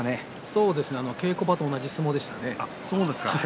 そうですね、稽古場と同じ相撲でしたね。